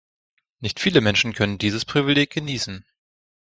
Nicht viele Menschen können dieses Privileg genießen.